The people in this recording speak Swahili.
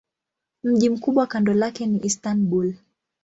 Mji mkubwa kando lake ni Istanbul.